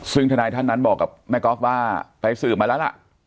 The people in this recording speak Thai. ซึ่งทนายท่านนั้นบอกกับแม่ก๊อฟว่าไปสืบมาแล้วล่ะ